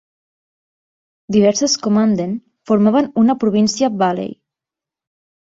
Diverses "Kommenden" formaven una província "Ballei".